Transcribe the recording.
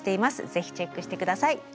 ぜひチェックして下さい。